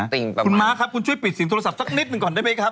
คุณม้าครับคุณช่วยปิดเสียงโทรศัพท์สักนิดหนึ่งก่อนได้ไหมครับ